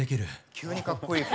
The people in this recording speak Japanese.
急にかっこいい声。